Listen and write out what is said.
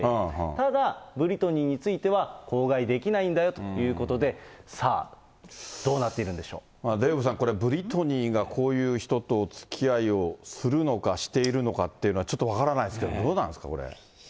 ただブリトニーについては口外できないんだよということで、さあ、デーブさん、これブリトニーがこういう人とおつきあいをするのか、しているのかということはちょっと分からないですけど、どうなんですか、これ。